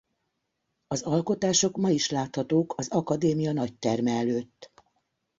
Az alkotások ma is láthatók az Akadémia nagyterme előtt.